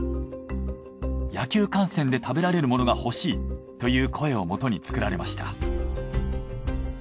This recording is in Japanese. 「野球観戦で食べられるものが欲しい」という声をもとに作られました。